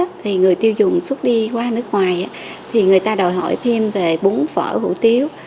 thì người tiêu dùng xuất đi qua nước ngoài thì người ta đòi hỏi thêm về bún phở hủ tiếu